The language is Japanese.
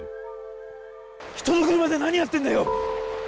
人の車で何やってんだよ！